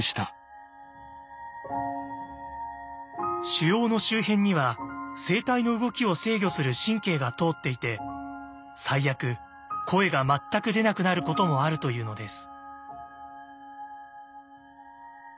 腫瘍の周辺には声帯の動きを制御する神経が通っていて最悪声が全く出なくなることもあるというのです。